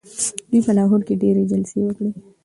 دوی په لاهور کي ډیري جلسې وکړې.